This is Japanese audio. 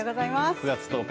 ９月１０日